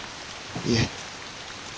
いえ。